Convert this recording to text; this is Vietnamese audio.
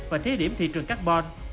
và thiết điểm thị trường carbon